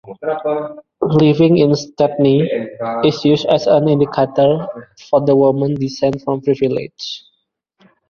Living in Stepney is used as an indicator for the woman's descent from privilege.